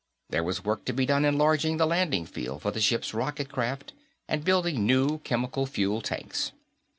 There was work to be done enlarging the landing field for the ship's rocket craft, and building new chemical fuel tanks.